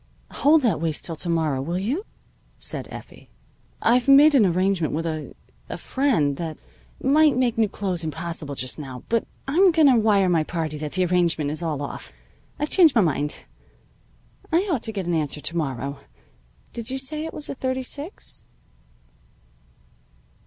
"Hold that waist till to morrow, will you?" said Effie. "I've made an arrangement with a friend that might make new clothes impossible just now. But I'm going to wire my party that the arrangement is all off. I've changed my mind. I ought to get an answer to morrow. Did you say it was a thirty six?"